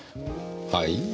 はい？